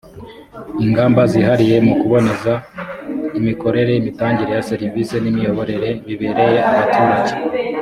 ingamba zihariye mu kuboneza imikorere, imitangire ya serivisi n’imiyoborere bibereye abaturage